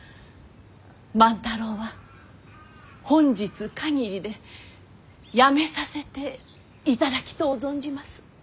万太郎は本日限りでやめさせていただきとう存じます。